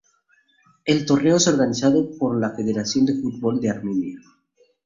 El torneo es organizado por la Federación de Fútbol de Armenia.